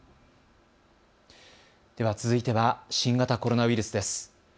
では続いては新型コロナウイルスです。